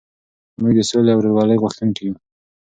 موږ د سولې او ورورولۍ غوښتونکي یو.